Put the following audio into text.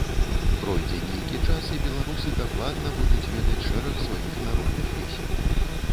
Пройдзе нейкі час, і беларусы дакладна будуць ведаць шэраг сваіх народных песень.